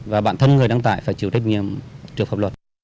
và bản thân người đăng tải phải chịu trách nhiệm trước pháp luật